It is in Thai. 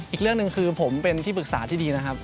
อีกเรื่องหนึ่งคือผมเป็นที่ปรึกษาที่ดีนะครับ